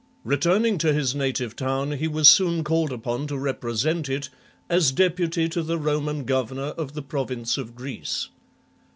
Returning to his native town, he was soon called upon to represent it as deputy to the Roman governor of the province of Greece.